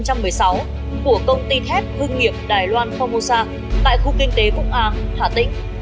của công ty thép hương nghiệp đài loan phomosa tại khu kinh tế vũng an hà tĩnh